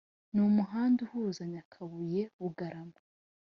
n’umuhanda uhuza nyakabuye bugarama